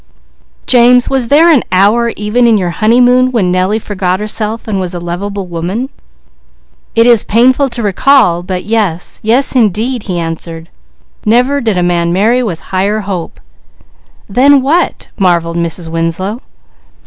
"James, was there an hour, even in your honeymoon, when Nellie forgot herself and was a lovable woman?" "It is painful to recall, but yes! Yes indeed!" he answered. "Never did a man marry with higher hope!" "Then what ?" marvelled Mrs. Winslow.